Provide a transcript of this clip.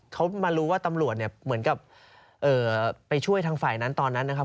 เขามารู้ว่าตำรวจเนี่ยเหมือนกับไปช่วยทางฝ่ายนั้นตอนนั้นนะครับ